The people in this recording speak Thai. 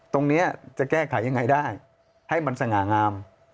ตรงนี้จะแก้ไขยังไงได้ให้มันสง่างาม